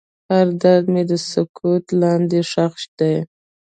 هر درد مې د سکوت لاندې ښخ دی.